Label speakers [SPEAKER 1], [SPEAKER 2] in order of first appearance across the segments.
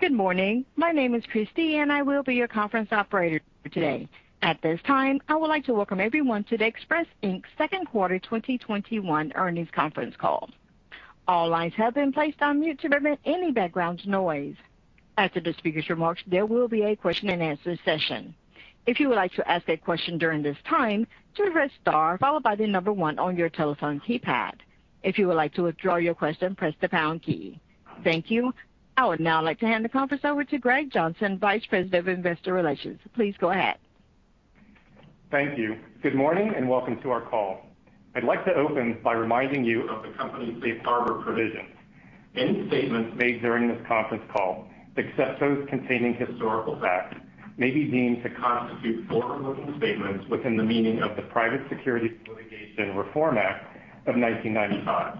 [SPEAKER 1] Good morning. My name is Christie, and I will be your conference operator for today. At this time, I would like to welcome everyone to the Express, Inc.'s Q2 2021 earnings conference call. All lines have been placed on mute to prevent any background noise. After the speaker's remarks, there will be a question-and-answer session. If you would like to ask a question during this time, press star followed by one on your telephone keypad. If you would like to withdraw your question, press the pound key. Thank you. I would now like to hand the conference over to Greg Johnson, Vice President of Investor Relations. Please go ahead.
[SPEAKER 2] Thank you. Good morning and welcome to our call. I'd like to open by reminding you of the company's safe harbor provisions. Any statements made during this conference call, except those containing historical facts, may be deemed to constitute forward-looking statements within the meaning of the Private Securities Litigation Reform Act of 1995.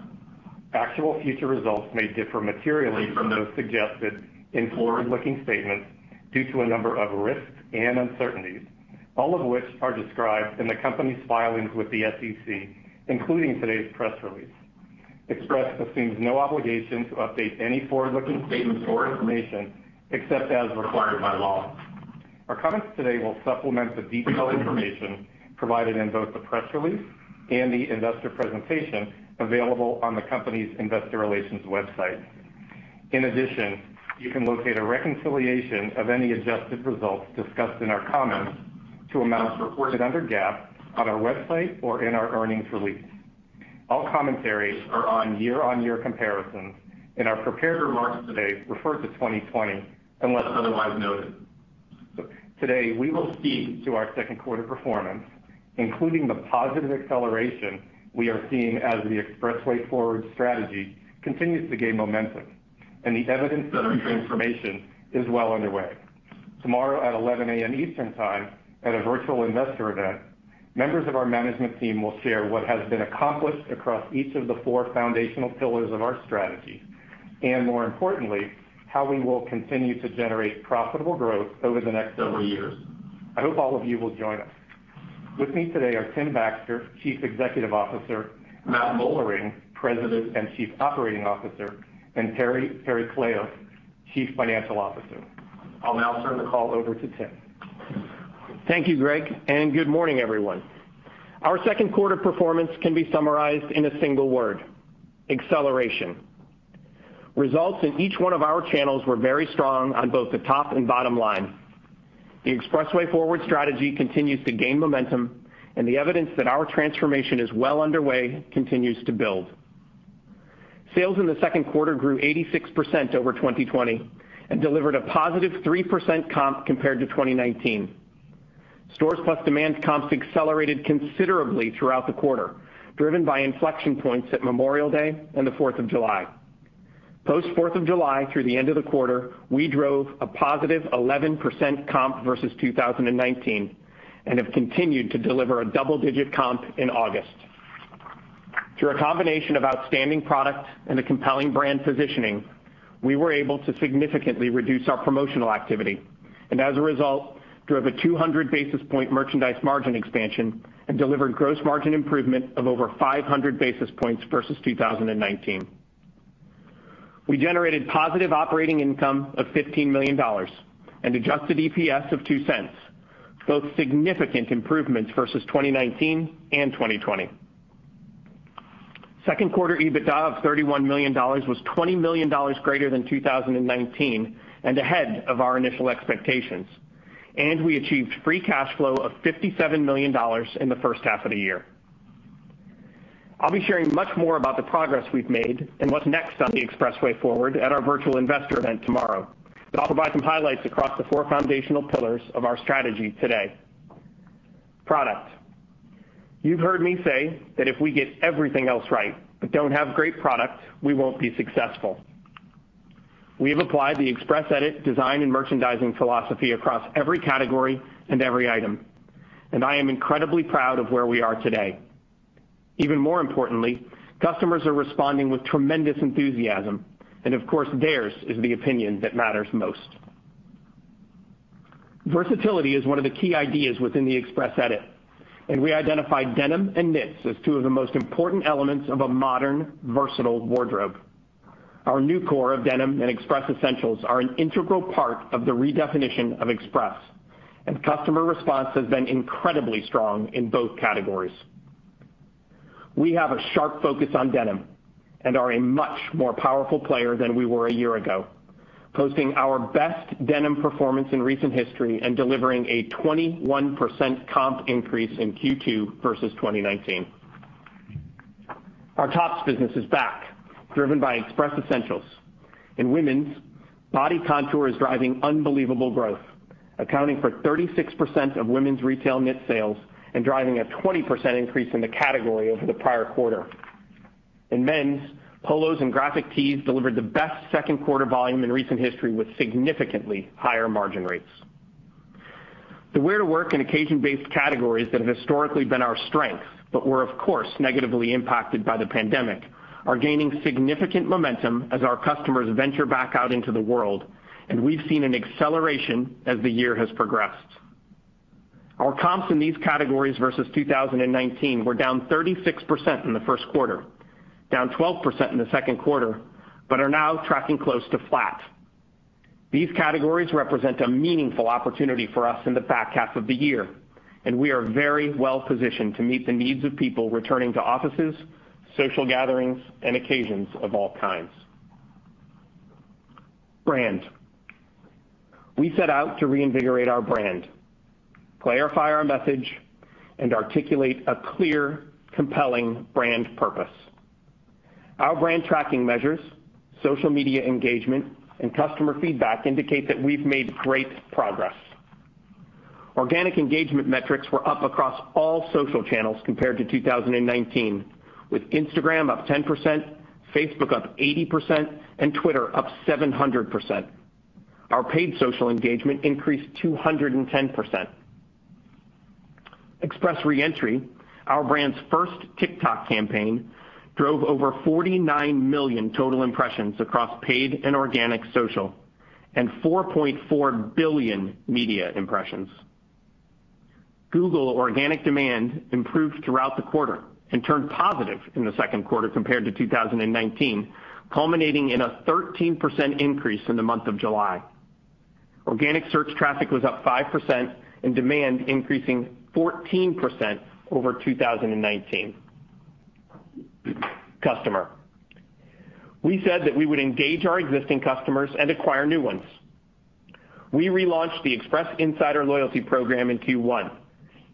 [SPEAKER 2] Actual future results may differ materially from those suggested in forward-looking statements due to a number of risks and uncertainties, all of which are described in the company's filings with the SEC, including today's press release. Express assumes no obligation to update any forward-looking statements or information except as required by law. Our comments today will supplement the detailed information provided in both the press release and the investor presentation available on the company's investor relations website. In addition, you can locate a reconciliation of any adjusted results discussed in our comments to amounts reported under GAAP on our website or in our earnings release. All commentaries are on year-on-year comparisons, and our prepared remarks today refer to 2020 unless otherwise noted. Today, we will speak to our Q2 performance, including the positive acceleration we are seeing as The EXPRESSway Forward strategy continues to gain momentum, and the evidence that our transformation is well underway. Tomorrow at 11:00 A.M. Eastern Time at a virtual investor event, members of our management team will share what has been accomplished across each of the four foundational pillars of our strategy, and more importantly, how we will continue to generate profitable growth over the next several years. I hope all of you will join us. With me today are Tim Baxter, Chief Executive Officer, Matt Moellering, President and Chief Operating Officer, and Perry Pericleous, Chief Financial Officer. I'll now turn the call over to Tim.
[SPEAKER 3] Thank you, Greg. Good morning, everyone. Our Q2 performance can be summarized in a single word: acceleration. Results in each one of our channels were very strong on both the top and bottom line. The EXPRESSway Forward strategy continues to gain momentum, and the evidence that our transformation is well underway continues to build. Sales in the Q2 grew 86% over 2020 and delivered a positive 3% comp compared to 2019. Stores plus demand comps accelerated considerably throughout the quarter, driven by inflection points at Memorial Day and the July 4th. Post July 4th, through the end of the quarter, we drove a positive 11% comp versus 2019 and have continued to deliver a double-digit comp in August. Through a combination of outstanding product and a compelling brand positioning, we were able to significantly reduce our promotional activity, and as a result, drove a 200-basis point merchandise margin expansion and delivered gross margin improvement of over 500 basis points versus 2019. We generated positive operating income of $15 million and adjusted EPS of $0.02, both significant improvements versus 2019 and 2020. Q2 EBITDA of $31 million was $20 million greater than 2019 and ahead of our initial expectations, and we achieved free cash flow of $57 million in the H1 of the year. I'll be sharing much more about the progress we've made and what's next on The EXPRESSway Forward at our virtual investor event tomorrow, but I'll provide some highlights across the four foundational pillars of our strategy today. Product. You've heard me say that if we get everything else right but don't have great product, we won't be successful. We have applied the Express Edit design and merchandising philosophy across every category and every item, and I am incredibly proud of where we are today. Even more importantly, customers are responding with tremendous enthusiasm, and of course, theirs is the opinion that matters most. Versatility is one of the key ideas within the Express Edit, and we identified denim and knits as two of the most important elements of a modern, versatile wardrobe. Our new core of denim and Express Essentials are an integral part of the redefinition of Express, and customer response has been incredibly strong in both categories. We have a sharp focus on denim and are a much more powerful player than we were a year ago, posting our best denim performance in recent history and delivering a 21% comp increase in Q2 versus 2019. Our tops business is back, driven by Express Essentials. In women's, Body Contour is driving unbelievable growth, accounting for 36% of women's retail knit sales and driving a 20% increase in the category over the prior quarter. In men's, polos and graphic tees delivered the best Q2 volume in recent history with significantly higher margin rates. The wear-to-work and occasion-based categories that have historically been our strength, but were, of course, negatively impacted by the pandemic, are gaining significant momentum as our customers venture back out into the world, and we've seen an acceleration as the year has progressed. Our comps in these categories versus 2019 were down 36% in the Q1, down 12% in the Q2, but are now tracking close to flat. These categories represent a meaningful opportunity for us in the back half of the year, and we are very well-positioned to meet the needs of people returning to offices, social gatherings, and occasions of all kinds. Brand. We set out to reinvigorate our brand, clarify our message, and articulate a clear, compelling brand purpose. Our brand tracking measures, social media engagement, and customer feedback indicate that we've made great progress. Organic engagement metrics were up across all social channels compared to 2019, with Instagram up 10%, Facebook up 80%, and Twitter up 700%. Our paid social engagement increased 210%. Express Re-Entry, our brand's first TikTok campaign, drove over 49 million total impressions across paid and organic social, and 4.4 billion media impressions. Google organic demand improved throughout the quarter and turned positive in the Q2 compared to 2019, culminating in a 13% increase in the month of July. Organic search traffic was up 5%, and demand increasing 14% over 2019. Customer. We said that we would engage our existing customers and acquire new ones. We relaunched the Express Insider loyalty program in Q1,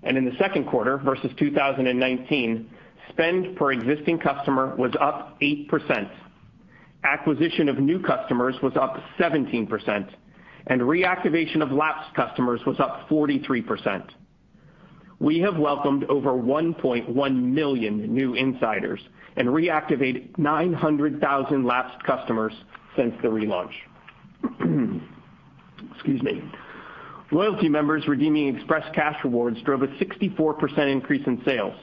[SPEAKER 3] and in the Q2 versus 2019, spend per existing customer was up 8%. Acquisition of new customers was up 17%, and reactivation of lapsed customers was up 43%. We have welcomed over 1.1 million new Insiders and reactivated 900,000 lapsed customers since the relaunch. Excuse me. Loyalty members redeeming Express cash rewards drove a 64% increase in sales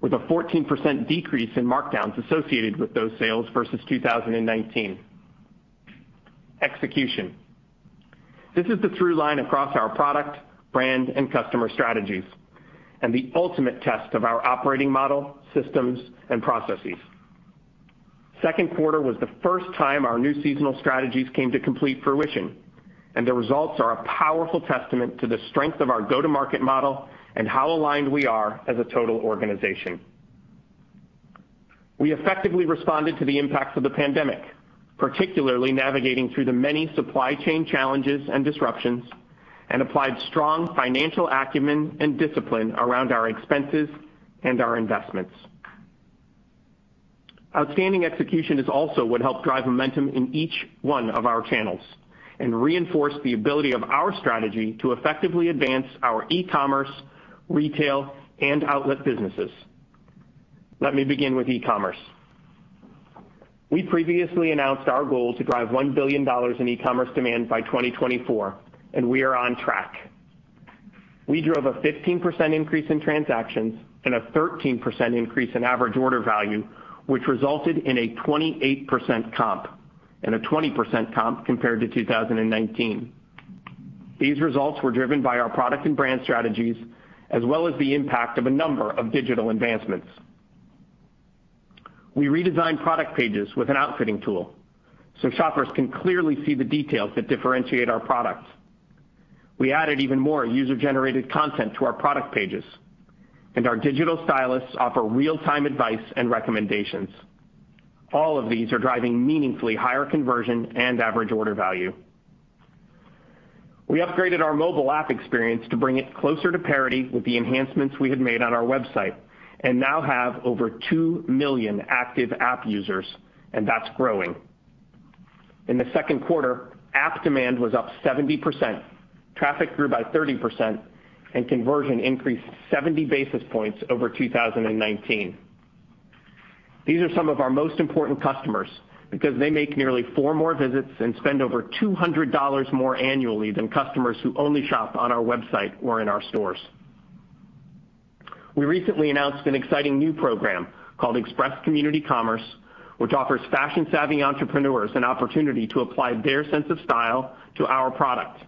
[SPEAKER 3] with a 14% decrease in markdowns associated with those sales versus 2019. Execution. This is the through line across our product, brand, and customer strategies and the ultimate test of our operating model, systems, and processes. Q2 was the first time our new seasonal strategies came to complete fruition, and the results are a powerful testament to the strength of our go-to-market model and how aligned we are as a total organization. We effectively responded to the impacts of the pandemic, particularly navigating through the many supply chain challenges and disruptions, and applied strong financial acumen and discipline around our expenses and our investments. Outstanding execution is also what helped drive momentum in each one of our channels and reinforced the ability of our strategy to effectively advance our e-commerce, retail, and outlet businesses. Let me begin with e-commerce. We previously announced our goal to drive $1 billion in e-commerce demand by 2024. We are on track. We drove a 15% increase in transactions and a 13% increase in average order value, which resulted in a 28% comp and a 20% comp compared to 2019. These results were driven by our product and brand strategies, as well as the impact of a number of digital advancements. We redesigned product pages with an outfitting tool so shoppers can clearly see the details that differentiate our products. We added even more user-generated content to our product pages. Our digital stylists offer real-time advice and recommendations. All of these are driving meaningfully higher conversion and average order value. We upgraded our mobile app experience to bring it closer to parity with the enhancements we had made on our website and now have over two million active app users, and that's growing. In the Q2, app demand was up 70%, traffic grew by 30%, and conversion increased 70 basis points over 2019. These are some of our most important customers because they make nearly four more visits and spend over $200 more annually than customers who only shop on our website or in our stores. We recently announced an exciting new program called Express Community Commerce, which offers fashion-savvy entrepreneurs an opportunity to apply their sense of style to our product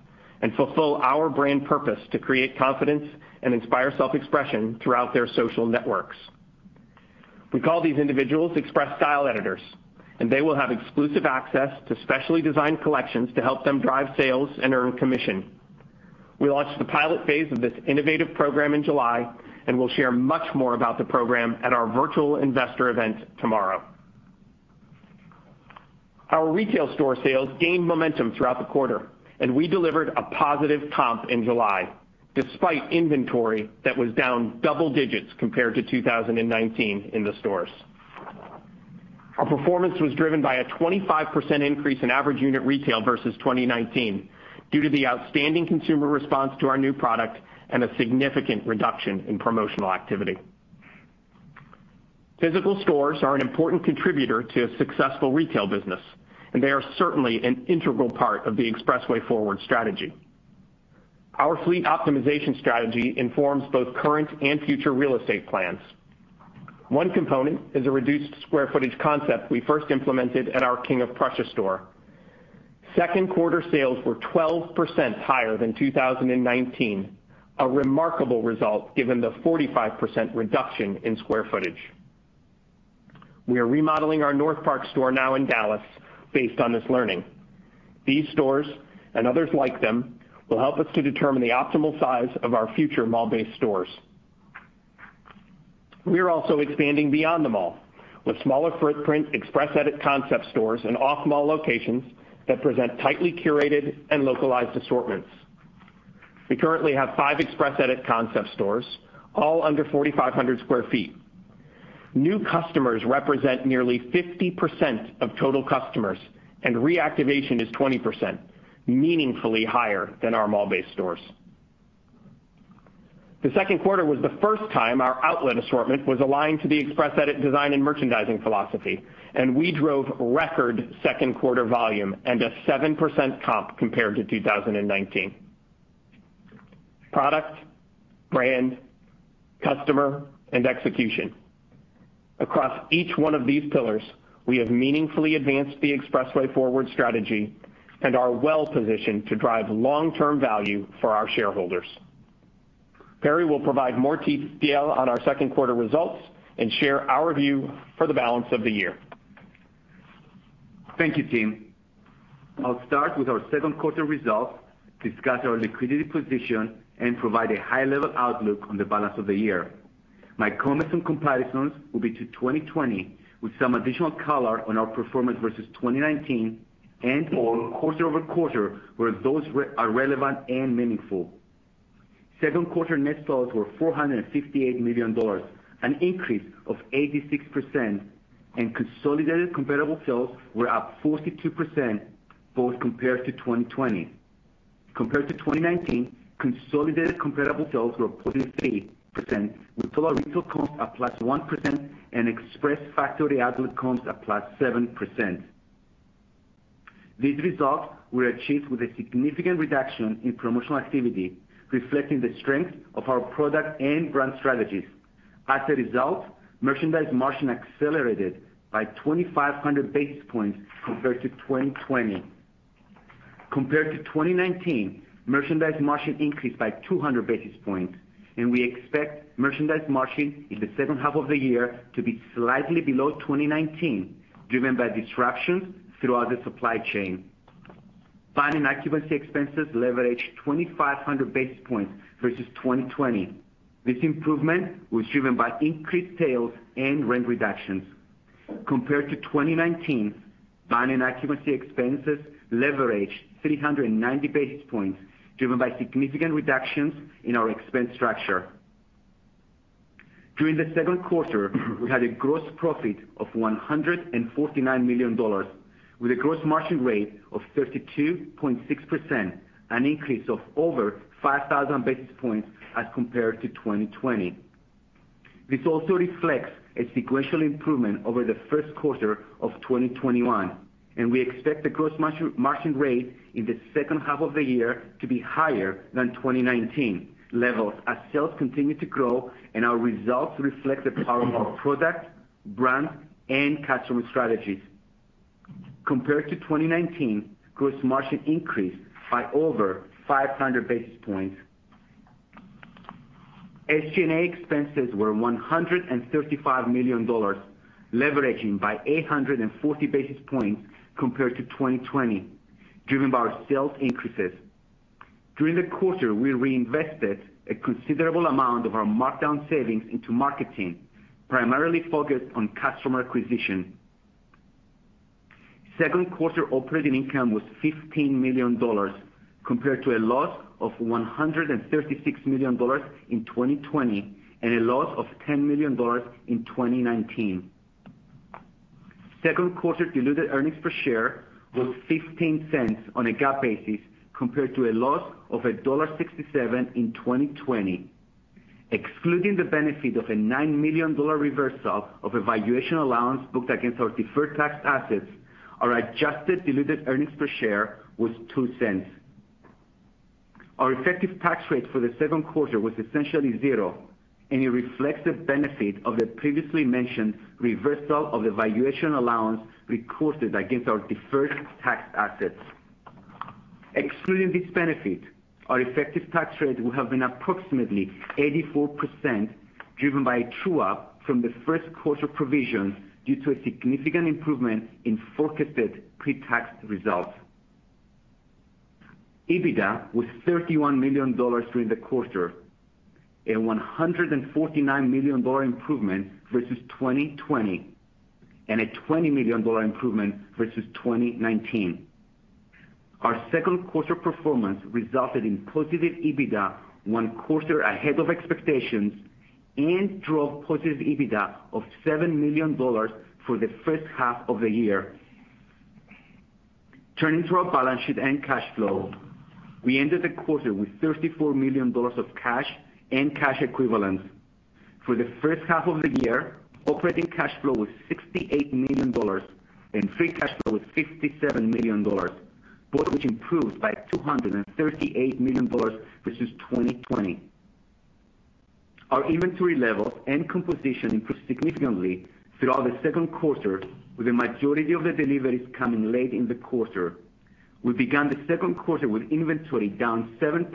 [SPEAKER 3] and fulfill our brand purpose to create confidence and inspire self-expression throughout their social networks. We call these individuals Express Style Editors, and they will have exclusive access to specially designed collections to help them drive sales and earn commission. We launched the pilot phase of this innovative program in July, and we'll share much more about the program at our virtual investor event tomorrow. Our retail store sales gained momentum throughout the quarter, and we delivered a positive comp in July, despite inventory that was down double digits compared to 2019 in the stores. Our performance was driven by a 25% increase in average unit retail versus 2019 due to the outstanding consumer response to our new product and a significant reduction in promotional activity. Physical stores are an important contributor to a successful retail business, and they are certainly an integral part of the EXPRESSway Forward strategy. Our fleet optimization strategy informs both current and future real estate plans. One component is a reduced square footage concept we first implemented at our King of Prussia store. Q2 sales were 12% higher than 2019. A remarkable result, given the 45% reduction in square footage. We are remodeling our NorthPark store now in Dallas based on this learning. These stores, and others like them, will help us to determine the optimal size of our future mall-based stores. We are also expanding beyond the mall with smaller footprint Express Edit concept stores in off-mall locations that present tightly curated and localized assortments. We currently have five Express Edit concept stores, all under 4,500 sq ft. New customers represent nearly 50% of total customers, and reactivation is 20%, meaningfully higher than our mall-based stores. The Q2 was the first time our outlet assortment was aligned to the Express Edit design and merchandising philosophy, and we drove record Q2 volume and a 7% comp compared to 2019. Product, brand, customer, and execution. Across each one of these pillars, we have meaningfully advanced The EXPRESSway Forward strategy and are well-positioned to drive long-term value for our shareholders. Perry will provide more detail on our Q2 results and share our view for the balance of the year.
[SPEAKER 4] Thank you, Tim. I'll start with our Q2 results, discuss our liquidity position, and provide a high-level outlook on the balance of the year. My comments and comparisons will be to 2020, with some additional color on our performance versus 2019 and/or quarter-over-quarter where those are relevant and meaningful. Q2 net sales were $458 million, an increase of 86%, and consolidated comparable sales were up 42%, both compared to 2020. Compared to 2019, consolidated comparable sales were up 43%, with Total Retail comps at plus 1% and Express Factory Outlet comps at plus 7%. These results were achieved with a significant reduction in promotional activity, reflecting the strength of our product and brand strategies. As a result, merchandise margin accelerated by 2,500 basis points compared to 2020. Compared to 2019, merchandise margin increased by 200 basis points. We expect merchandise margin in the H2 of the year to be slightly below 2019, driven by disruptions throughout the supply chain. Buying occupancy expenses leveraged 2,500 basis points versus 2020. This improvement was driven by increased sales and rent reductions. Compared to 2019, buying and occupancy expenses leveraged 390 basis points, driven by significant reductions in our expense structure. During the Q2, we had a gross profit of $149 million, with a gross margin rate of 32.6%, an increase of over 5,000 basis points as compared to 2020. This also reflects a sequential improvement over the Q1 of 2021. We expect the gross margin rate in the H2 of the year to be higher than 2019 levels as sales continue to grow and our results reflect the power of our product, brand, and customer strategies. Compared to 2019, gross margin increased by over 500 basis points. SG&A expenses were $135 million, leveraging by 840 basis points compared to 2020, driven by our sales increases. During the quarter, we reinvested a considerable amount of our markdown savings into marketing, primarily focused on customer acquisition. Q2 operating income was $15 million, compared to a loss of $136 million in 2020 and a loss of $10 million in 2019. Q2 diluted earnings per share was $0.15 on a GAAP basis compared to a loss of $1.67 in 2020. Excluding the benefit of a $9 million reversal of a valuation allowance booked against our deferred tax assets, our adjusted diluted earnings per share was $0.02. Our effective tax rate for the Q2 was essentially zero, and it reflects the benefit of the previously mentioned reversal of the valuation allowance recorded against our deferred tax assets. Excluding this benefit, our effective tax rate would have been approximately 84%, driven by a true-up from the Q1 provision due to a significant improvement in forecasted pre-tax results. EBITDA was $31 million during the quarter, a $149 million improvement versus 2020, and a $20 million improvement versus 2019. Our Q2 performance resulted in positive EBITDA one quarter ahead of expectations and drove positive EBITDA of $7 million for the H1 of the year. Turning to our balance sheet and cash flow, we ended the quarter with $34 million of cash and cash equivalents. For the H1 of the year, operating cash flow was $68 million, and free cash flow was $57 million, both of which improved by $238 million versus 2020. Our inventory levels and composition improved significantly throughout the Q2, with the majority of the deliveries coming late in the quarter. We began the Q2 with inventory down 7%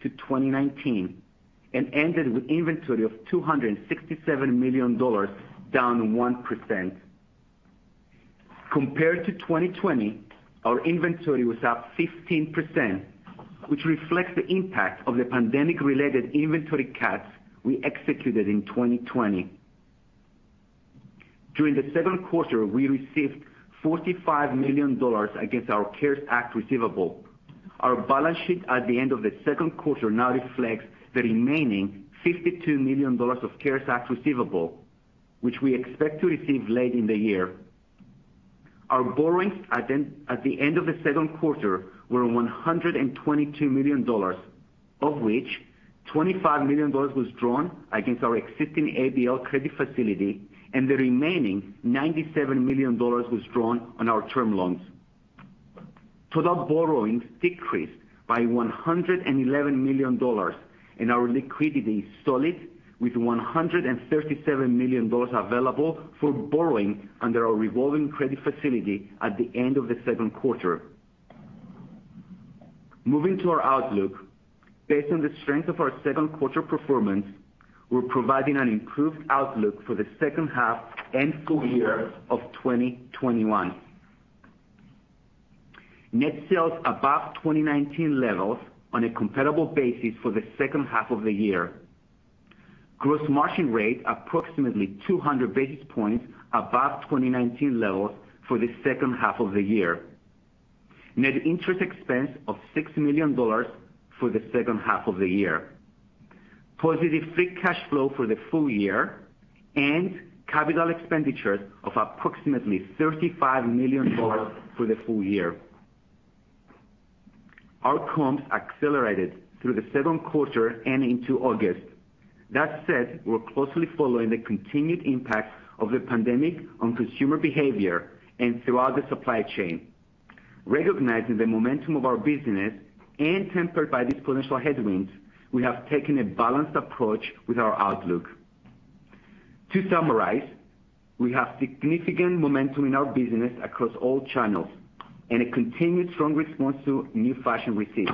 [SPEAKER 4] to 2019, and ended with inventory of $267 million, down 1%. Compared to 2020, our inventory was up 15%, which reflects the impact of the pandemic-related inventory cuts we executed in 2020. During the Q2, we received $45 million against our CARES Act receivable. Our balance sheet at the end of the Q2 now reflects the remaining $52 million of CARES Act receivable, which we expect to receive late in the year. Our borrowings at the end of the Q2 were $122 million, of which $25 million was drawn against our existing ABL credit facility, and the remaining $97 million was drawn on our term loans. Total borrowings decreased by $111 million, and our liquidity is solid with $137 million available for borrowing under our revolving credit facility at the end of the Q2. Moving to our outlook. Based on the strength of our Q2 performance, we're providing an improved outlook for the H2 and full year of 2021. Net sales above 2019 levels on a comparable basis for the H2 of the year. Gross margin rate approximately 200 basis points above 2019 levels for the H2 of the year. Net interest expense of $6 million for the H2 of the year. Positive free cash flow for the full year, and capital expenditures of approximately $35 million for the full year. Our comps accelerated through the Q2 and into August. That said, we're closely following the continued impact of the pandemic on consumer behavior and throughout the supply chain. Recognizing the momentum of our business and tempered by these potential headwinds, we have taken a balanced approach with our outlook. To summarize, we have significant momentum in our business across all channels and a continued strong response to new fashion receipts.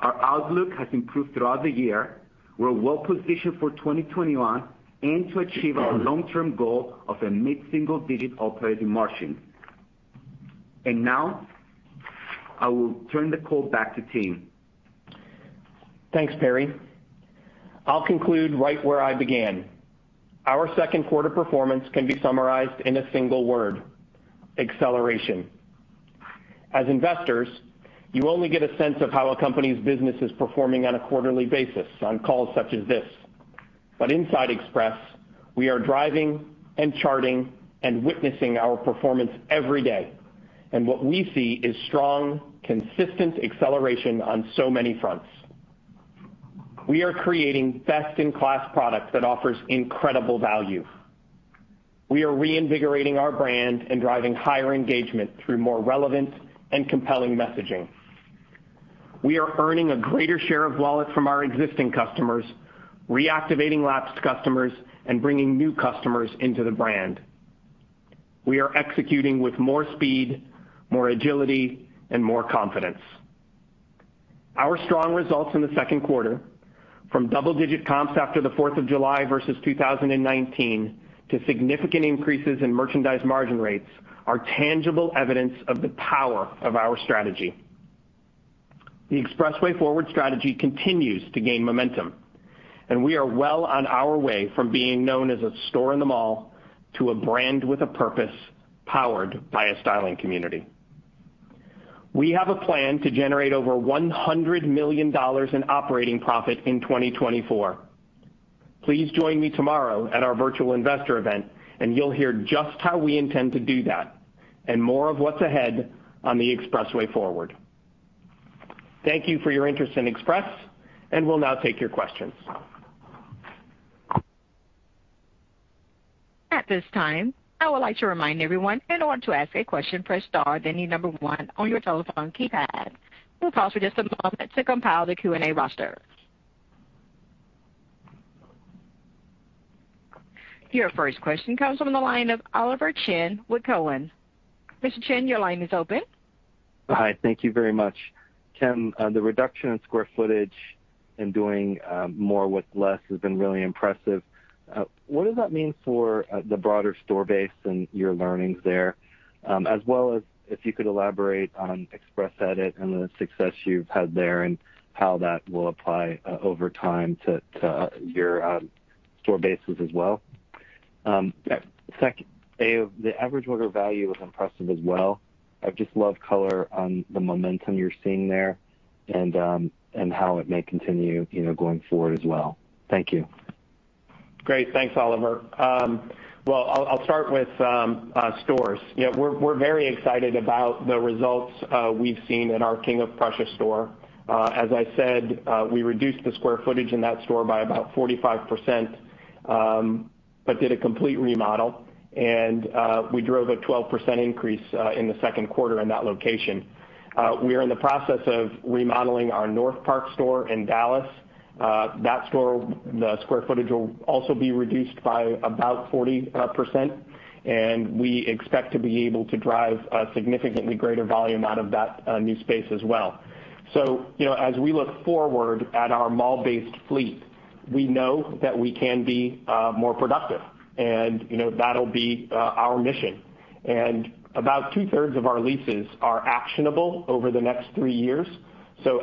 [SPEAKER 4] Our outlook has improved throughout the year. We're well positioned for 2021 and to achieve our long-term goal of a mid-single-digit operating margin. Now, I will turn the call back to Tim.
[SPEAKER 3] Thanks, Perry. I'll conclude right where I began. Our Q2 performance can be summarized in a single word: acceleration. As investors, you only get a sense of how a company's business is performing on a quarterly basis on calls such as this. Inside Express, we are driving and charting and witnessing our performance every day, and what we see is strong, consistent acceleration on so many fronts. We are creating best-in-class product that offers incredible value. We are reinvigorating our brand and driving higher engagement through more relevant and compelling messaging. We are earning a greater share of wallet from our existing customers, reactivating lapsed customers, and bringing new customers into the brand. We are executing with more speed, more agility, and more confidence. Our strong results in the Q2, from double-digit comps after the Fourth of July versus 2019 to significant increases in merchandise margin rates, are tangible evidence of the power of our strategy. The EXPRESSway Forward strategy continues to gain momentum. We are well on our way from being known as a store in the mall to a brand with a purpose powered by a styling community. We have a plan to generate over $100 million in operating profit in 2024. Please join me tomorrow at our virtual investor event. You'll hear just how we intend to do that and more of what's ahead on The EXPRESSway Forward. Thank you for your interest in Express. We'll now take your questions.
[SPEAKER 1] At this time, I would like to remind everyone, in order to ask a question, press star, then the number one on your telephone keypad. We will pause for just a moment to compile the Q&A roster. Your first question comes from the line of Oliver Chen with Cowen. Mr. Chen, your line is open.
[SPEAKER 5] Hi. Thank you very much. Tim, the reduction in square footage and doing more with less has been really impressive. What does that mean for the broader store base and your learnings there? As well as if you could elaborate on Express Edit and the success you've had there, and how that will apply over time to your store bases as well. Second, the average order value is impressive as well. I'd just love color on the momentum you're seeing there and how it may continue going forward as well. Thank you.
[SPEAKER 3] Great. Thanks, Oliver. I'll start with stores. We're very excited about the results we've seen in our King of Prussia store. As I said, we reduced the square footage in that store by about 45%. We did a complete remodel, and we drove a 12% increase in the Q2 in that location. We are in the process of remodeling our Northpark store in Dallas. That store, the square footage will also be reduced by about 40%, and we expect to be able to drive a significantly greater volume out of that new space as well. As we look forward at our mall-based fleet, we know that we can be more productive, and that'll be our mission. About two-thirds of our leases are actionable over the next three years.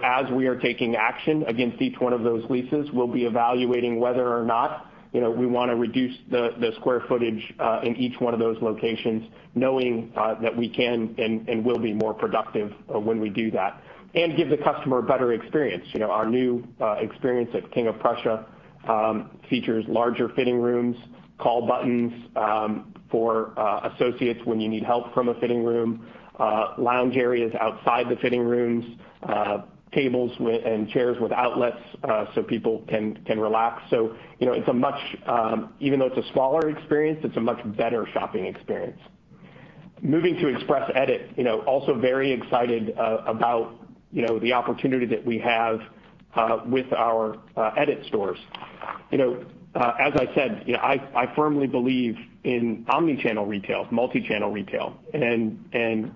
[SPEAKER 3] As we are taking action against each one of those leases, we'll be evaluating whether or not we want to reduce the square footage in each one of those locations, knowing that we can and will be more productive when we do that and give the customer a better experience. Our new experience at King of Prussia features larger fitting rooms, call buttons for associates when you need help from a fitting room, lounge areas outside the fitting rooms, tables and chairs with outlets so people can relax. Even though it's a smaller experience, it's a much better shopping experience. Moving to Express EDIT, also very excited about the opportunity that we have with our EDIT stores. As I said, I firmly believe in omni-channel retail, multi-channel retail, and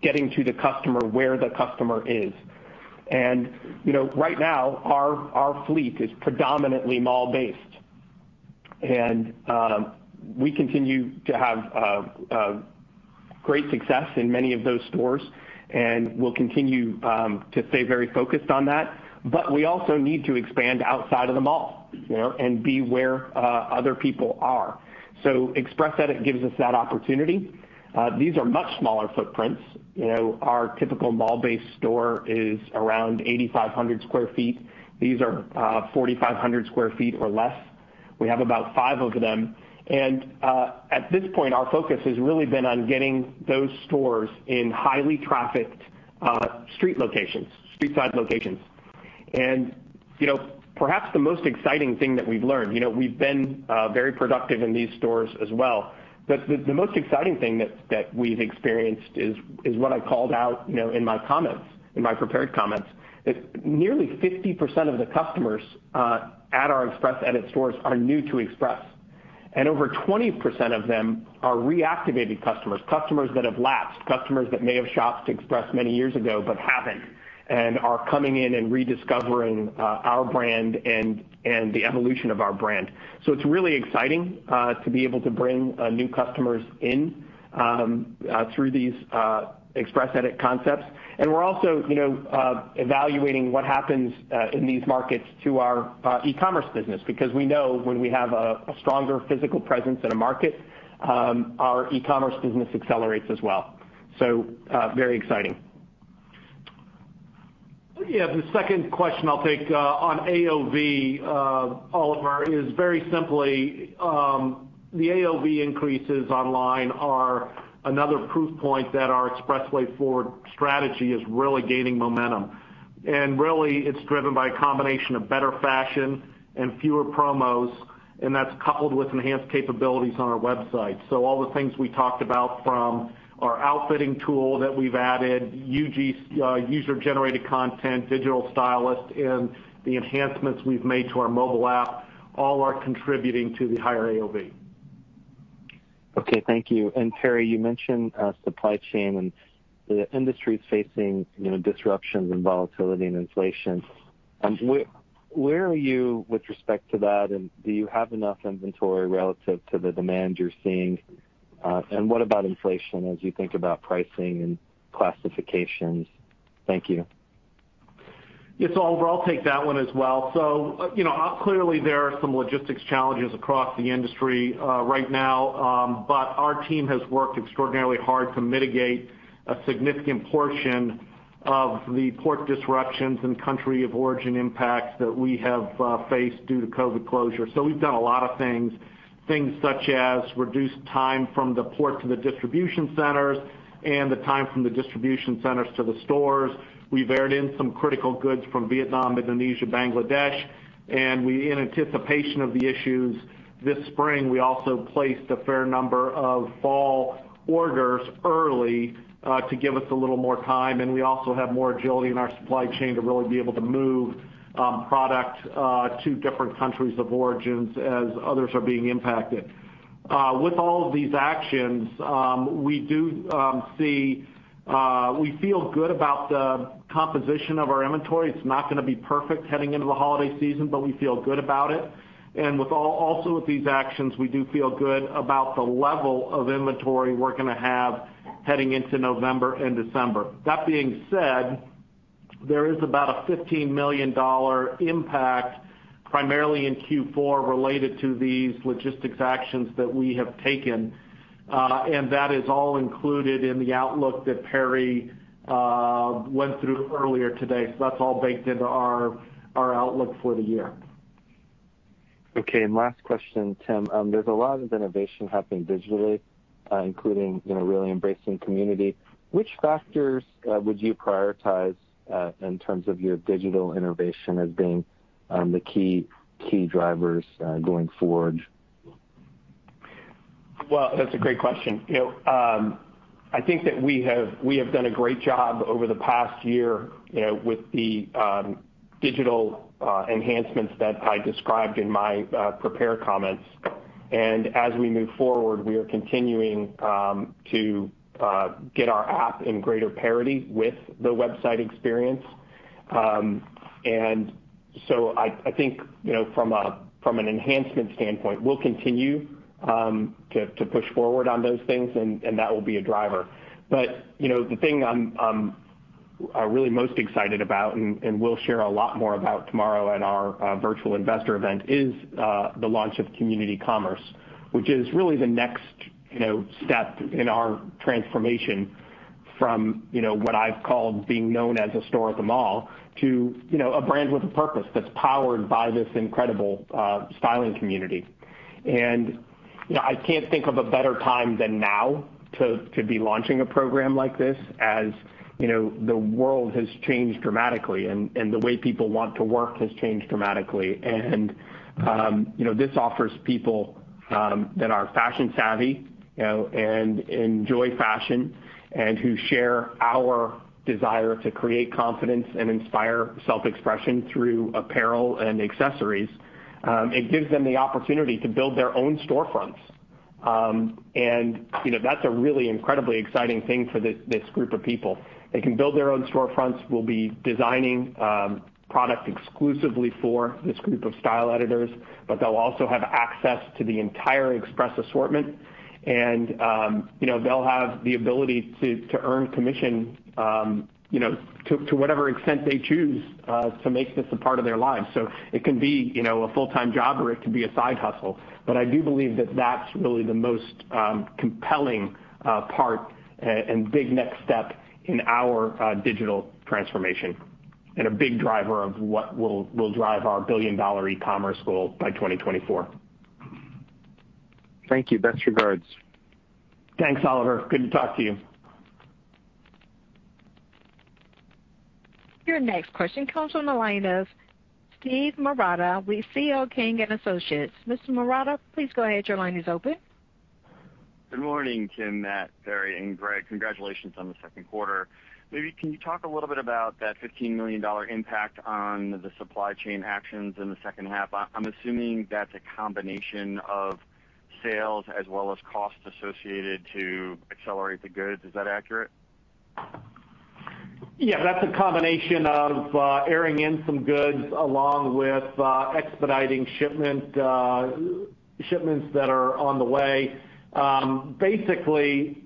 [SPEAKER 3] getting to the customer where the customer is. Right now, our fleet is predominantly mall based. We continue to have great success in many of those stores, and we'll continue to stay very focused on that. We also need to expand outside of the mall and be where other people are. Express Edit gives us that opportunity. These are much smaller footprints. Our typical mall-based store is around 8,500 square feet. These are 4,500 square feet or less. We have about five of them. At this point, our focus has really been on getting those stores in highly trafficked street locations, street-side locations. Perhaps the most exciting thing that we've learned. We've been very productive in these stores as well. The most exciting thing that we've experienced is what I called out in my prepared comments. Nearly 50% of the customers at our Express Edit stores are new to Express. Over 20% of them are reactivated customers that have lapsed, customers that may have shopped Express many years ago but haven't, and are coming in and rediscovering our brand and the evolution of our brand. It's really exciting to be able to bring new customers in through these Express Edit concepts. We're also evaluating what happens in these markets to our e-commerce business, because we know when we have a stronger physical presence in a market, our e-commerce business accelerates as well. Very exciting.
[SPEAKER 6] The second question I'll take on AOV, Oliver, is very simply the AOV increases online are another proof point that our EXPRESSway Forward strategy is really gaining momentum. Really, it's driven by a combination of better fashion and fewer promos, and that's coupled with enhanced capabilities on our website. All the things we talked about from our outfitting tool that we've added, user-generated content, digital stylist, and the enhancements we've made to our mobile app all are contributing to the higher AOV.
[SPEAKER 5] Okay, thank you. Perry, you mentioned supply chain and the industry's facing disruptions in volatility and inflation. Where are you with respect to that, do you have enough inventory relative to the demand you're seeing? What about inflation as you think about pricing and classifications? Thank you.
[SPEAKER 6] Yes, Oliver, I'll take that one as well. Clearly there are some logistics challenges across the industry right now. Our team has worked extraordinarily hard to mitigate a significant portion of the port disruptions and country of origin impacts that we have faced due to COVID closure. We've done a lot of things such as reduce time from the port to the distribution centers and the time from the distribution centers to the stores. We've aired in some critical goods from Vietnam, Indonesia, Bangladesh. In anticipation of the issues this spring, we also placed a fair number of fall orders early to give us a little more time, and we also have more agility in our supply chain to really be able to move product to different countries of origins as others are being impacted. With all of these actions, we feel good about the composition of our inventory. It's not going to be perfect heading into the holiday season, but we feel good about it. Also with these actions, we do feel good about the level of inventory we're going to have heading into November and December. That being said, there is about a $15 million impact, primarily in Q4, related to these logistics actions that we have taken. That is all included in the outlook that Perry went through earlier today. That's all baked into our outlook for the year.
[SPEAKER 5] Okay, last question, Tim. There's a lot of innovation happening digitally including really embracing community, which factors would you prioritize in terms of your digital innovation as being the key drivers going forward?
[SPEAKER 3] Well, that's a great question. I think that we have done a great job over the past year with the digital enhancements that I described in my prepared comments. As we move forward, we are continuing to get our app in greater parity with the website experience. I think, from an enhancement standpoint, we'll continue to push forward on those things, and that will be a driver. The thing I'm really most excited about, and we'll share a lot more about tomorrow at our virtual investor event, is the launch of Community Commerce, which is really the next step in our transformation from what I've called being known as a store at the mall to a brand with a purpose that's powered by this incredible styling community. I can't think of a better time than now to be launching a program like this as the world has changed dramatically and the way people want to work has changed dramatically. This offers people that are fashion savvy and enjoy fashion and who share our desire to create confidence and inspire self-expression through apparel and accessories. It gives them the opportunity to build their own storefronts. That's a really incredibly exciting thing for this group of people. They can build their own storefronts. We'll be designing product exclusively for this group of Style Editors, but they'll also have access to the entire Express assortment. They'll have the ability to earn commission to whatever extent they choose to make this a part of their lives. It can be a full-time job or it could be a side hustle. I do believe that that's really the most compelling part and big next step in our digital transformation and a big driver of what will drive our billion-dollar e-commerce goal by 2024.
[SPEAKER 5] Thank you. Best regards.
[SPEAKER 3] Thanks, Oliver. Good to talk to you.
[SPEAKER 1] Your next question comes from the line of Steve Marotta with C.L. King & Associates. Mr. Marotta, please go ahead. Your line is open.
[SPEAKER 7] Good morning, Tim, Matt, Perry, and Greg. Congratulations on the Q2. Maybe can you talk a little bit about that $15 million impact on the supply chain actions in the H2? I'm assuming that's a combination of sales as well as costs associated to accelerate the goods. Is that accurate?
[SPEAKER 3] Yeah, that's a combination of airing in some goods along with expediting shipments that are on the way. Basically,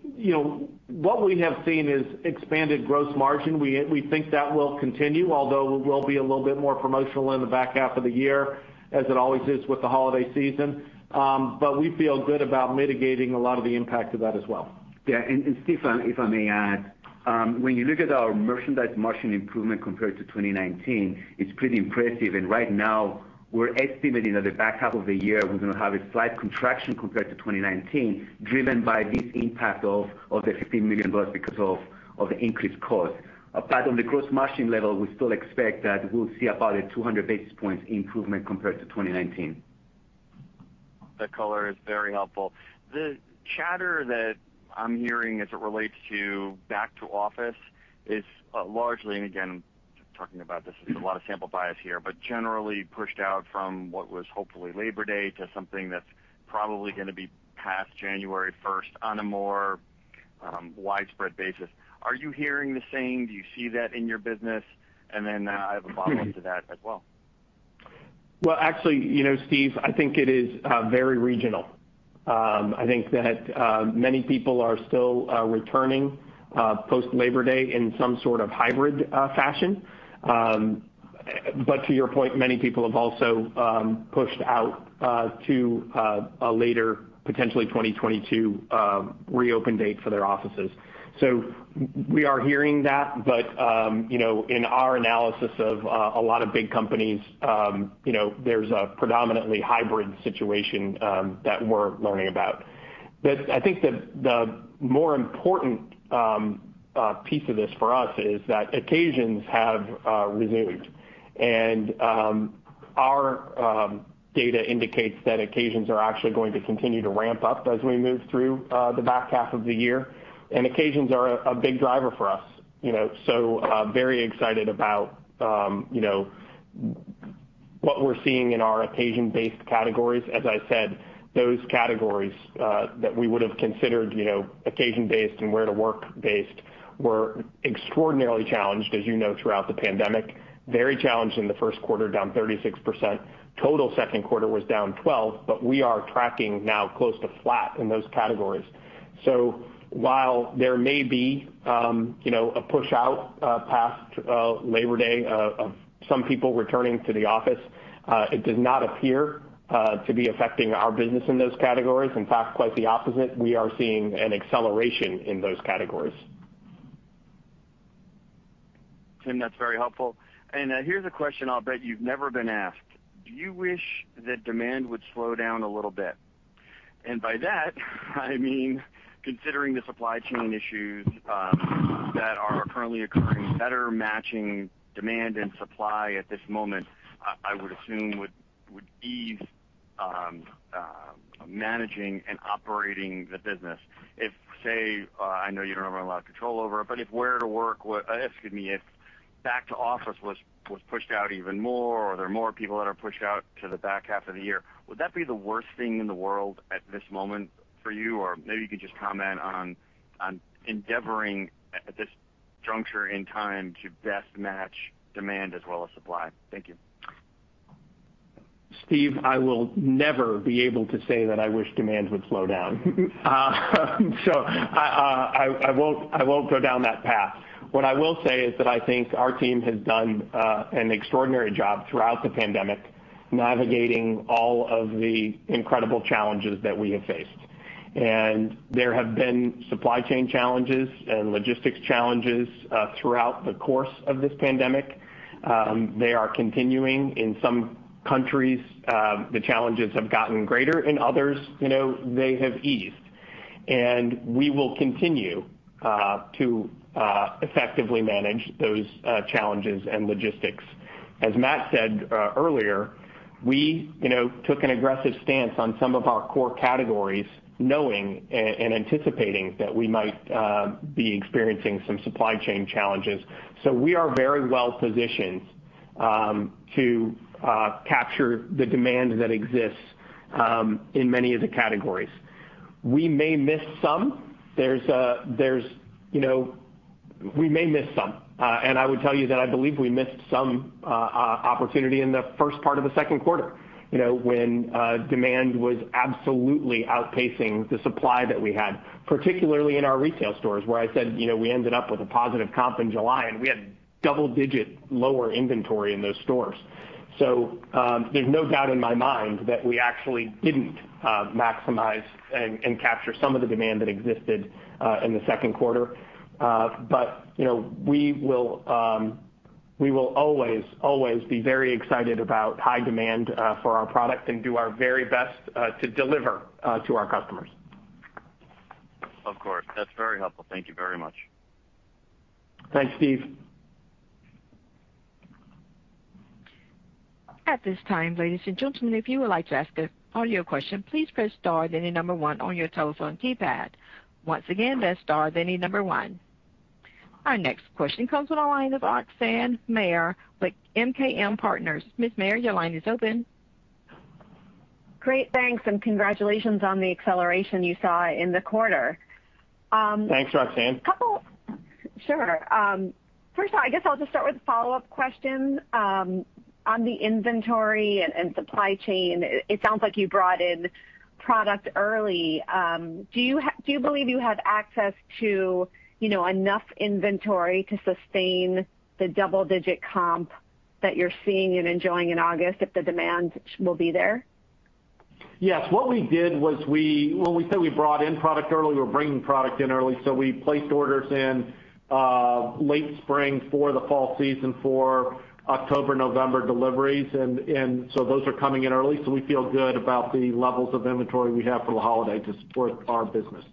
[SPEAKER 3] what we have seen is expanded gross margin. We think that will continue, although we will be a little bit more promotional in the back half of the year, as it always is with the holiday season. We feel good about mitigating a lot of the impact of that as well.
[SPEAKER 4] Yeah. Steve, if I may add. When you look at our merchandise margin improvement compared to 2019, it's pretty impressive. Right now, we're estimating that the back half of the year, we're going to have a slight contraction compared to 2019, driven by this impact of the $15 million because of the increased cost. On the gross margin level, we still expect that we'll see about a 200 basis points improvement compared to 2019.
[SPEAKER 7] That color is very helpful. The chatter that I'm hearing as it relates to back to office is largely, and again, talking about this is a lot of sample bias here, but generally pushed out from what was hopefully Labor Day to something that's probably going to be past January 1st, on a more widespread basis. Are you hearing the same? Do you see that in your business? Then I have a follow-up to that as well.
[SPEAKER 3] Actually Steve, I think it is very regional. I think that many people are still returning post Labor Day in some sort of hybrid fashion. To your point, many people have also pushed out to a later, potentially 2022, reopen date for their offices. We are hearing that, but in our analysis of a lot of big companies there's a predominantly hybrid situation that we're learning about. I think the more important piece of this for us is that occasions have resumed. Our data indicates that occasions are actually going to continue to ramp up as we move through the back half of the year, and occasions are a big driver for us. Very excited about what we're seeing in our occasion-based categories. As I said, those categories that we would've considered occasion-based and wear-to-work based were extraordinarily challenged as you know throughout the pandemic. Very challenged in the Q1, down 36%. Total Q2 was down 12%. We are tracking now close to flat in those categories. While there may be a push-out past Labor Day of some people returning to the office, it does not appear to be affecting our business in those categories. In fact, quite the opposite. We are seeing an acceleration in those categories.
[SPEAKER 7] Tim, that's very helpful. Here's a question I'll bet you've never been asked. Do you wish that demand would slow down a little bit? By that I mean, considering the supply chain issues that are currently occurring, better matching demand and supply at this moment, I would assume would ease managing and operating the business. If, say, I know you don't have a lot of control over it, but if back to office was pushed out even more, or there are more people that are pushed out to the back half of the year, would that be the worst thing in the world at this moment for you? Maybe you could just comment on endeavoring at this juncture in time to best match demand as well as supply. Thank you.
[SPEAKER 3] Steve, I will never be able to say that I wish demand would slow down. I won't go down that path. What I will say is that I think our team has done an extraordinary job throughout the pandemic, navigating all of the incredible challenges that we have faced. There have been supply chain challenges and logistics challenges throughout the course of this pandemic. They are continuing. In some countries, the challenges have gotten greater. In others, they have eased. We will continue to effectively manage those challenges and logistics. As Matt said earlier, we took an aggressive stance on some of our core categories, knowing and anticipating that we might be experiencing some supply chain challenges. We are very well positioned to capture the demand that exists in many of the categories. We may miss some. I would tell you that I believe we missed some opportunity in the first part of the Q2. When demand was absolutely outpacing the supply that we had, particularly in our retail stores, where I said, we ended up with a positive comp in July, and we had double-digit lower inventory in those stores. There's no doubt in my mind that we actually didn't maximize and capture some of the demand that existed in the Q2. We will always be very excited about high demand for our product and do our very best to deliver to our customers.
[SPEAKER 7] Of course. That's very helpful. Thank you very much.
[SPEAKER 3] Thanks, Steve.
[SPEAKER 1] At this time, ladies and gentlemen, if you would like to ask an audio question, please press star, then one on your telephone keypad. Once again, that's star, then one. Our next question comes on the line of Roxanne Meyer with MKM Partners. Ms. Meyer, your line is open.
[SPEAKER 8] Great. Thanks, and congratulations on the acceleration you saw in the quarter.
[SPEAKER 3] Thanks, Roxanne.
[SPEAKER 8] Sure. First of all, I guess I'll just start with a follow-up question on the inventory and supply chain. It sounds like you brought in product early. Do you believe you have access to enough inventory to sustain the double-digit comp that you're seeing and enjoying in August, if the demand will be there?
[SPEAKER 3] Yes. What we did was when we say we brought in product early, we're bringing product in early. We placed orders in late spring for the fall season for October, November deliveries. Those are coming in early. We feel good about the levels of inventory we have for the holiday to support our business.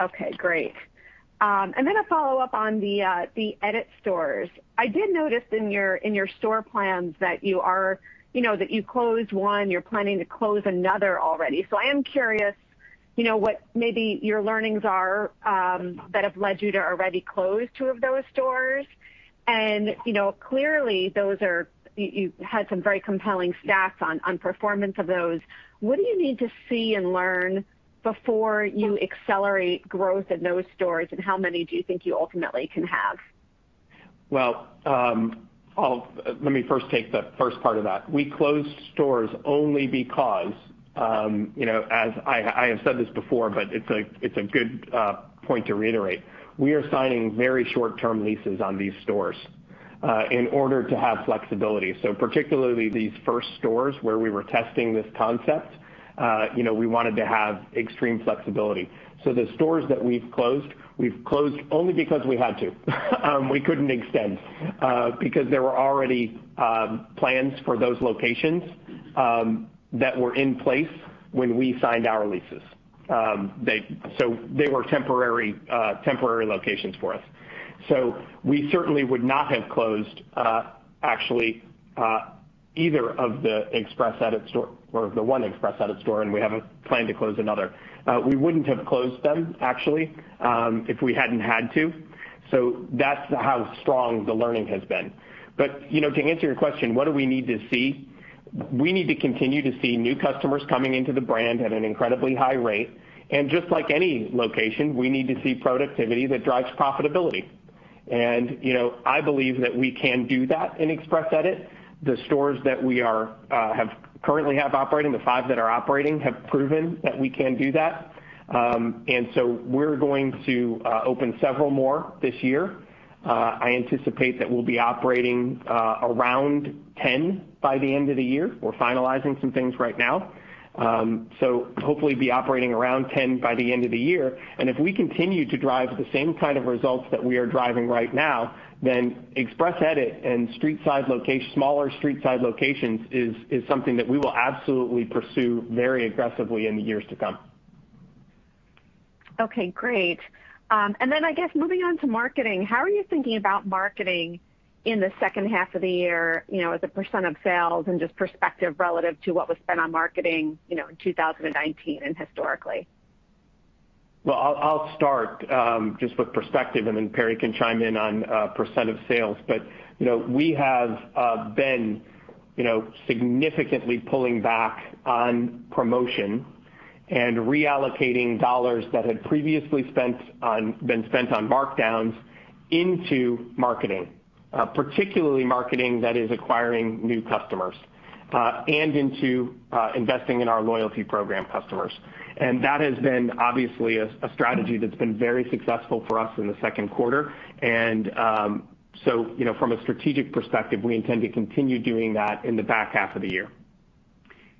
[SPEAKER 8] Okay, great. A follow-up on the Edit stores. I did notice in your store plans that you closed one. You are planning to close another already. I am curious what maybe your learnings are that have led you to already close 2 of those stores. Clearly you had some very compelling stats on performance of those. What do you need to see and learn before you accelerate growth in those stores? How many do you think you ultimately can have?
[SPEAKER 3] Let me first take the first part of that. We closed stores only because as I have said this before, but it's a good point to reiterate. Particularly these first stores where we were testing this concept, we wanted to have extreme flexibility. The stores that we've closed, we've closed only because we had to. We couldn't extend because there were already plans for those locations that were in place when we signed our leases. They were temporary locations for us. We certainly would not have closed actually either of the one Express Edit store, and we have a plan to close another. We wouldn't have closed them, actually, if we hadn't had to. That's how strong the learning has been. To answer your question, what do we need to see? We need to continue to see new customers coming into the brand at an incredibly high rate. Just like any location, we need to see productivity that drives profitability. I believe that we can do that in Express Edit. The stores that we currently have operating, the five that are operating, have proven that we can do that. We're going to open several more this year. I anticipate that we'll be operating around 10 by the end of the year. We're finalizing some things right now. Hopefully, we'll be operating around 10 by the end of the year. If we continue to drive the same kind of results that we are driving right now, then Express Edit and smaller street-side locations is something that we will absolutely pursue very aggressively in the years to come.
[SPEAKER 8] Okay, great. I guess, moving on to marketing, how are you thinking about marketing in the H2 of the year, as a % of sales and just perspective relative to what was spent on marketing, in 2019 and historically?
[SPEAKER 3] Well, I'll start just with perspective, and then Perry can chime in on % of sales. We have been significantly pulling back on promotion and reallocating dollars that had previously been spent on markdowns into marketing. Particularly marketing that is acquiring new customers, and into investing in our loyalty program customers. That has been obviously a strategy that's been very successful for us in the Q2. From a strategic perspective, we intend to continue doing that in the back half of the year.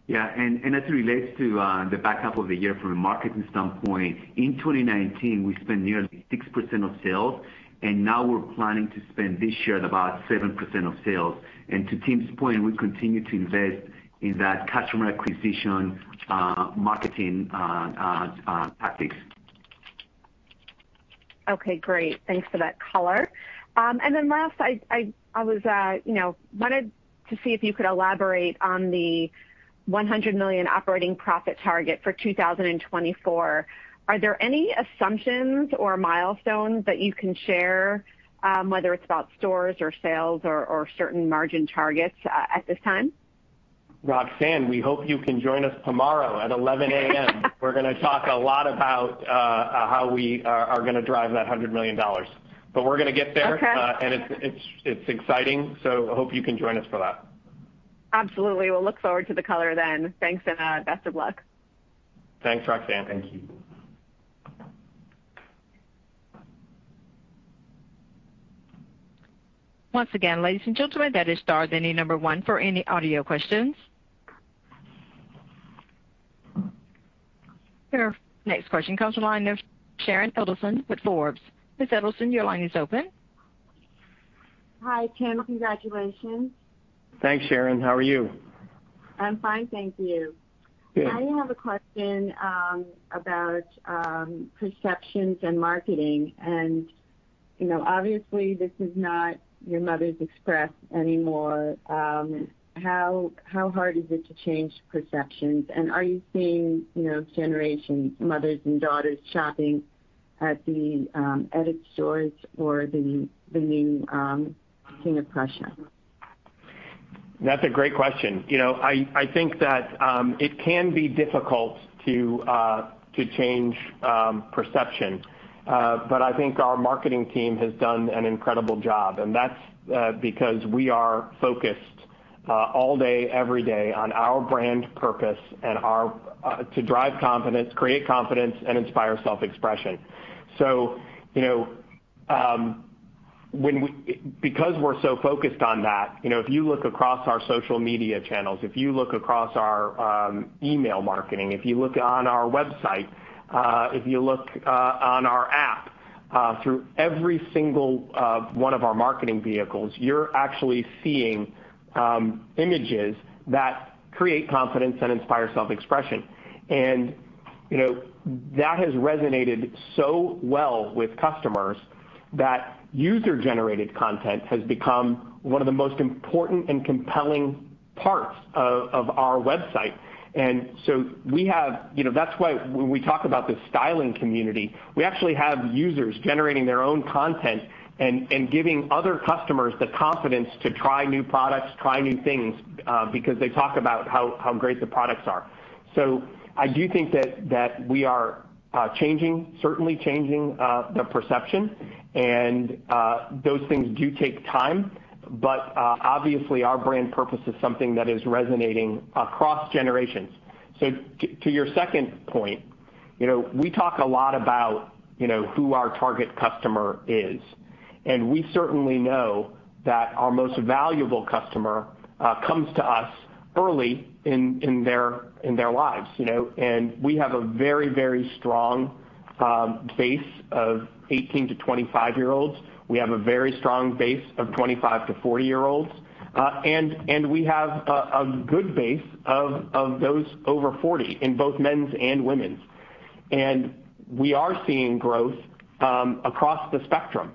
[SPEAKER 4] Yeah. As it relates to the back half of the year from a marketing standpoint, in 2019, we spent nearly 6% of sales, and now we're planning to spend this year at about 7% of sales. To Tim's point, we continue to invest in that customer acquisition marketing tactics.
[SPEAKER 8] Okay, great. Thanks for that color. Last, I wanted to see if you could elaborate on the $100 million operating profit target for 2024. Are there any assumptions or milestones that you can share, whether it's about stores or sales or certain margin targets at this time?
[SPEAKER 3] Roxanne, we hope you can join us tomorrow at 11:00 A.M. We're going to talk a lot about how we are going to drive that $100 million. We're going to get there.
[SPEAKER 8] Okay.
[SPEAKER 3] It's exciting. I hope you can join us for that.
[SPEAKER 8] Absolutely. Will look forward to the color then. Thanks, and best of luck.
[SPEAKER 3] Thanks, Roxanne.
[SPEAKER 4] Thank you.
[SPEAKER 1] Once again, ladies and gentlemen, that is star then one for any audio questions. Your next question comes from the line of Sharon Edelson with Forbes. Ms. Edelson, your line is open.
[SPEAKER 9] Hi, Tim. Congratulations.
[SPEAKER 3] Thanks, Sharon. How are you?
[SPEAKER 9] I'm fine, thank you.
[SPEAKER 3] Good.
[SPEAKER 9] I have a question about perceptions and marketing. Obviously, this is not your mother's Express anymore. How hard is it to change perceptions? Are you seeing generations, mothers and daughters, shopping at the Edit stores or the new King of Prussia?
[SPEAKER 3] That's a great question. I think that it can be difficult to change perception. I think our marketing team has done an incredible job, that's because we are focused all day, every day on our brand purpose, to drive confidence, create confidence, and inspire self-expression. Because we're so focused on that, if you look across our social media channels, if you look across our email marketing, if you look on our website, if you look on our app, through every single one of our marketing vehicles, you're actually seeing images that create confidence and inspire self-expression. That has resonated so well with customers that user-generated content has become one of the most important and compelling parts of our website. That's why when we talk about the styling community, we actually have users generating their own content and giving other customers the confidence to try new products, try new things, because they talk about how great the products are. I do think that we are certainly changing the perception, and those things do take time. Obviously, our brand purpose is something that is resonating across generations. To your second point, we talk a lot about who our target customer is, we certainly know that our most valuable customer comes to us early in their lives. We have a very strong base of 18-25-year-olds. We have a very strong base of 25-40-year-olds. We have a good base of those over 40 in both men's and women's. We are seeing growth across the spectrum.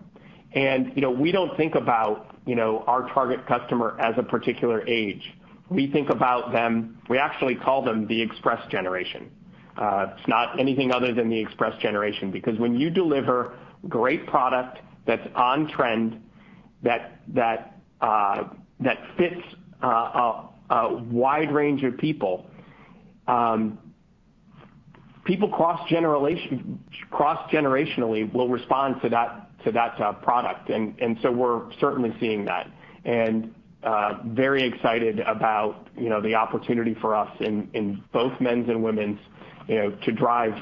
[SPEAKER 3] We don't think about our target customer as a particular age. We actually call them the Generation Express. It's not anything other than the Generation Express, because when you deliver great product that's on trend, that fits a wide range of people cross-generationally will respond to that product. We're certainly seeing that, and very excited about the opportunity for us in both men's and women's, to drive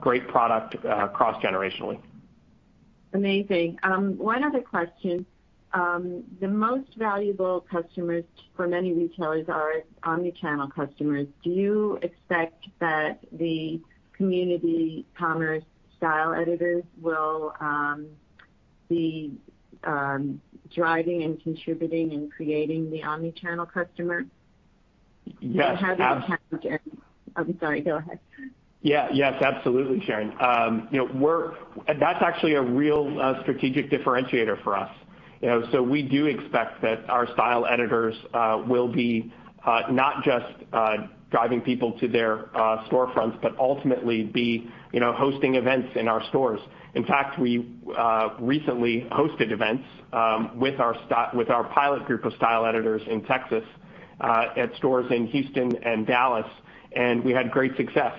[SPEAKER 3] great product cross-generationally.
[SPEAKER 9] Amazing. One other question. The most valuable customers for many retailers are omni-channel customers. Do you expect that the Community Commerce Style Editors will be driving and contributing and creating the omni-channel customer?
[SPEAKER 3] Yes.
[SPEAKER 9] I'm sorry, go ahead.
[SPEAKER 3] Yeah. Yes, absolutely, Sharon. That's actually a real strategic differentiator for us. We do expect that our Style Editors will be not just driving people to their storefronts, but ultimately be hosting events in our stores. In fact, we recently hosted events with our pilot group of Style Editors in Texas, at stores in Houston and Dallas, and we had great success.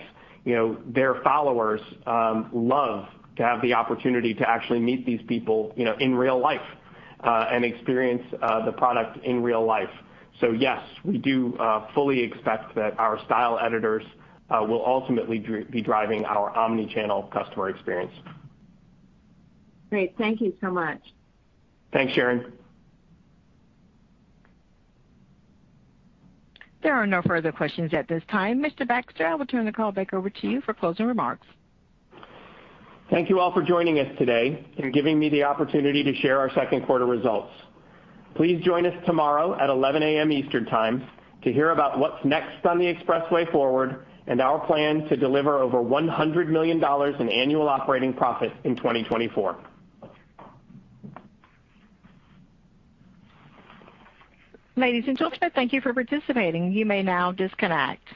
[SPEAKER 3] Their followers love to have the opportunity to actually meet these people in real life, and experience the product in real life. Yes, we do fully expect that our Style Editors will ultimately be driving our omni-channel customer experience.
[SPEAKER 9] Great. Thank you so much.
[SPEAKER 3] Thanks, Sharon.
[SPEAKER 1] There are no further questions at this time. Mr. Baxter, I will turn the call back over to you for closing remarks.
[SPEAKER 3] Thank you all for joining us today and giving me the opportunity to share our Q2 results. Please join us tomorrow at 11:00 A.M. Eastern Time to hear about what's next on The EXPRESSway Forward and our plan to deliver over $100 million in annual operating profit in 2024.
[SPEAKER 1] Ladies and gentlemen, thank you for participating. You may now disconnect.